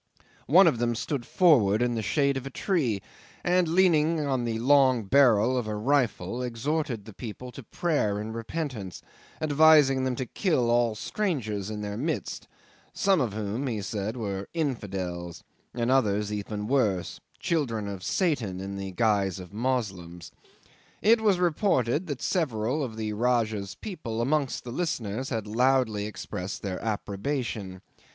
One of them stood forward in the shade of a tree, and, leaning on the long barrel of a rifle, exhorted the people to prayer and repentance, advising them to kill all the strangers in their midst, some of whom, he said, were infidels and others even worse children of Satan in the guise of Moslems. It was reported that several of the Rajah's people amongst the listeners had loudly expressed their approbation.